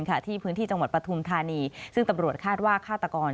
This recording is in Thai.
ที่พื้นที่จังหวัดปฐุมธานีซึ่งตำรวจคาดว่าฆาตกร